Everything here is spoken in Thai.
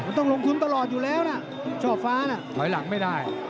มันต้องลงทุนตลอดอยู่แล้วนะช่อฟ้าน่ะถอยหลังไม่ได้